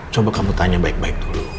coba kamu tanya baik baik dulu